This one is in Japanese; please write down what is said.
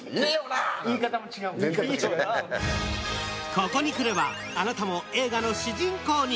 ここに来ればあなたも映画の主人公に？